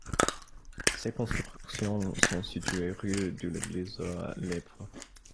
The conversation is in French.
Ces constructions sont situées rue de l'Église à Lièpvre.